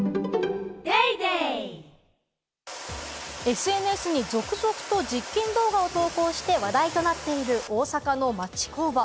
ＳＮＳに続々と実験動画を投稿して話題となっている大阪の町工場。